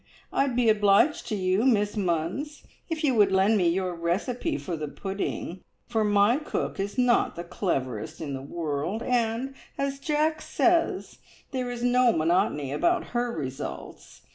I'd be obliged to you, Miss Munns, if you would lend me your recipe for the pudding, for my cook is not the cleverest in the world, and, as Jack says, there is no monotony about her results.